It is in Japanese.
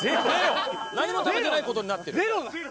何も食べてない事になってる？